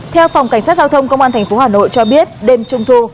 theo phòng cảnh sát giao thông công an thành phố hà nội cho biết đêm trung thu